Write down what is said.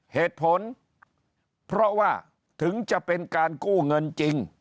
เหตุผลเพราะว่าถึงจะเป็นการกู้เงินจริง